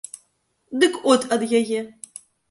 Дык от ад яе!